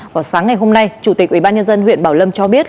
vào sáng ngày hôm nay chủ tịch ubnd huyện bảo lâm cho biết